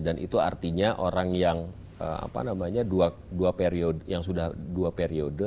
dan itu artinya orang yang sudah dua periode